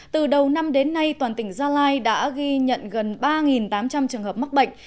từ đầu năm đến nay toàn tỉnh gia lai đã ghi nhận gần ba tám trăm linh trường hợp mắc bệnh